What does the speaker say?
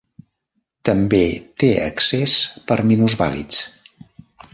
També té accés per minusvàlids.